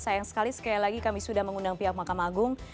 sayang sekali sekali lagi kami sudah mengundang pihak mahkamah agung